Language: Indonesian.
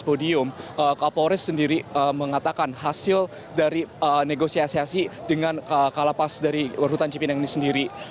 podium kapolres sendiri mengatakan hasil dari negosiasi dengan kalapas dari warhutan cipinang ini sendiri